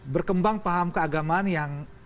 berkembang paham keagamaan yang